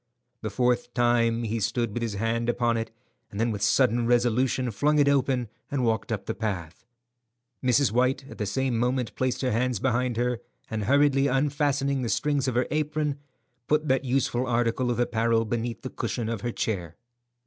The fourth time he stood with his hand upon it, and then with sudden resolution flung it open and walked up the path. Mrs. White at the same moment placed her hands behind her, and hurriedly unfastening the strings of her apron, put that useful article of apparel beneath the cushion of her chair.